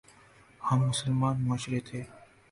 ہم مسلمان معاشرہ تھے۔